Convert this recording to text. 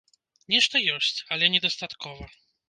Нешта ёсць, але недастаткова.